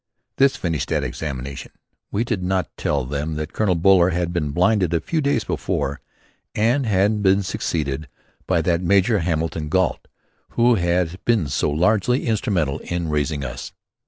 This finished that examination. We did not tell them that Colonel Buller had been blinded a few days before and had been succeeded by that Major Hamilton Gault who had been so largely instrumental in raising us.